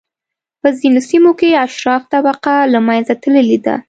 په ځینو سیمو کې اشراف طبقه له منځه تللې ده.